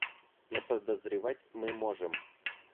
Но подозревать мы можем.